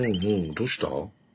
どうした？